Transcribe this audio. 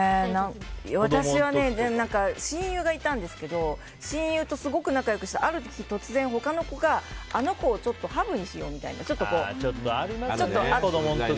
私はね、親友がいたんですけど親友とすごく仲良くしててある日突然、他の子があの子をハブにしようみたいなのがちょっとあったの。